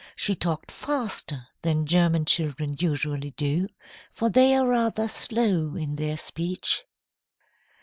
She talked faster than German children usually do, for they are rather slow in their speech.